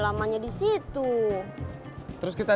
akan kutip increasing